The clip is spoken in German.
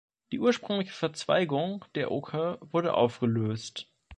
Die ursprüngliche Verzweigung der Oker wurde aufgelöst.